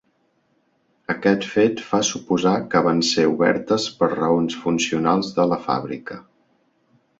Aquest fet fa suposar que van ser obertes per raons funcionals de la fàbrica.